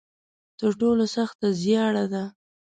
تر ټولو سخته زیاړه ده.